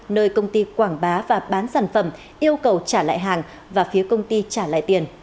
nơi công ty quảng bá và bán sản phẩm yêu cầu trả lại hàng và phía công ty trả lại tiền